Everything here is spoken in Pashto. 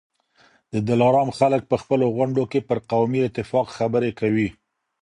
د دلارام خلک په خپلو غونډو کي پر قومي اتفاق خبرې کوي.